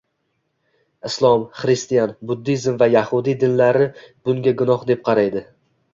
Islom, xristian, buddizm va yahudiy dinlari bunga gunoh deb qaraydi.